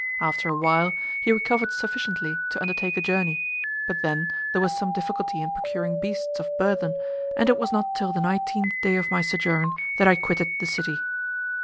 After a while he recovered sufficiently to undertake a journey, but then there was some difficulty in procuring beasts of burthen, and it was not till the nineteenth day of my sojourn that I quitted the city.